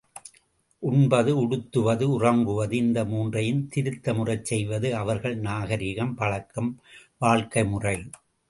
உண்பது, உடுத்துவது, உறங்குவது இந்த மூன்றையும் திருத்தமுறச் செய்வது அவர்கள் நாகரிகம் பழக்கம் வாழ்க்கைமுறை.